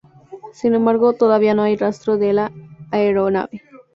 Sin embargo, todavía no hay rastro de la aeronave.